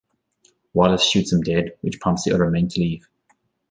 Wallace shoots him dead, which prompts the other men to leave.